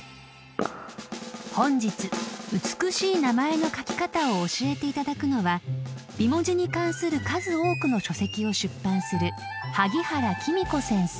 ［本日美しい名前の書き方を教えていただくのは美文字に関する数多くの書籍を出版する萩原季実子先生］